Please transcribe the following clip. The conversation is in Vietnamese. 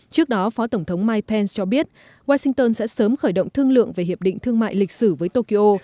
trước đó phó tổng thống mike pence cho biết washington sẽ sớm khởi động thương lượng về hiệp định thương mại lịch sử với tokyo